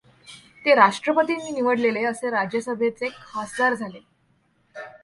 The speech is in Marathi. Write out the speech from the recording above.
ते राष्ट्रपतींनी निवडलेले असे राज्यसभेचे खासदार झाले.